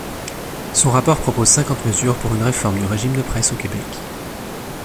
Son rapport propose cinquante mesures pour une réforme du régime de presse au Québec.